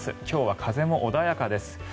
今日は風も穏やかです。